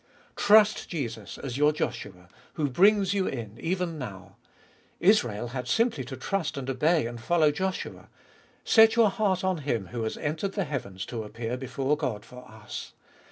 Trust Jesus as your Joshua, who brings you in, even now. Israel had simply to trust and obey and follow Joshua. Set your heart on Him who has entered the heavens to appear before God for us.